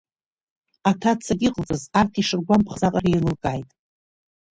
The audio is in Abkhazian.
Аҭацагьы иҟалҵаз арҭ ишыргәамԥхаз аҟара еилылкааит.